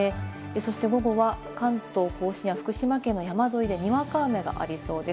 そして午後は関東甲信や福島県の山沿いでにわか雨がありそうです。